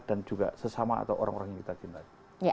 dan juga sesama atau orang orang yang kita cintai